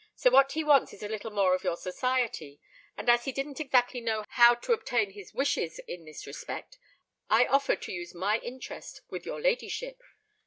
So what he wants is a little more of your society; and as he didn't exactly know how to obtain his wishes in this respect, I offered to use my interest with your ladyship."